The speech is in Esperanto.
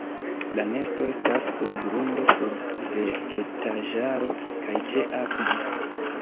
La nesto estas surgrunde sub vegetaĵaro kaj ĉe akvo.